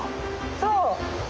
そう。